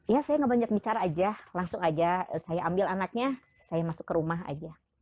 ya saya ngebanyak bicara aja langsung aja saya ambil anaknya saya masuk ke rumah aja